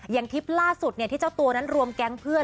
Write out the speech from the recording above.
อย่างคลิปล่าสุดที่เจ้าตัวนั้นรวมแก๊งเพื่อน